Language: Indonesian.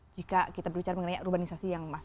jika kita berbicara mengenai urbanisasi yang masuk